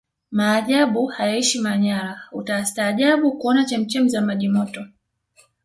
majaabu hayaishi manyara utastaajabu kuona chemchem za maji Moto